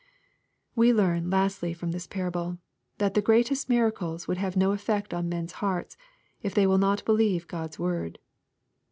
We learn, lastly, from this parable, that the greatest miracles would have no effect on men's hearts^ if they will not believe God's word.